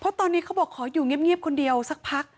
เพราะตอนนี้เขาบอกขออยู่เงียบคนเดียวสักพัก